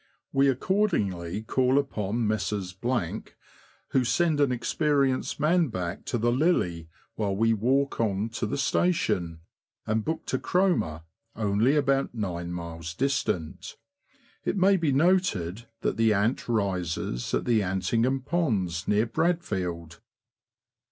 We accordingly call upon Messrs. , who send an experienced man back to the " Lily," while we walk on to the station, and book to Cromer, only about nine miles distant. It may be noted that the Ant rises at the Antingham Ponds, near Bradfield.